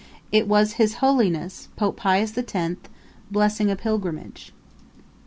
It was his Holiness, Pope Pius the Tenth, blessing a pilgrimage.